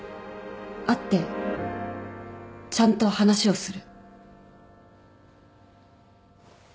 会ってちゃんと話をする。